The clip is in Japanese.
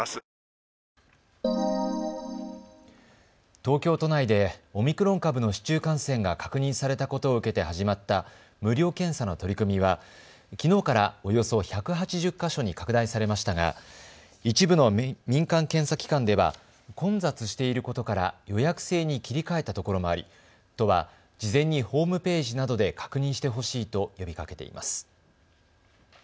東京都内でオミクロン株の市中感染が確認されたことを受けて始まった無料検査の取り組みはきのうから、およそ１８０か所に拡大されましたが一部の民間検査機関では混雑していることから予約制に切り替えたところもあり都は、事前にホームページなどで確認してほしいと呼びかけています。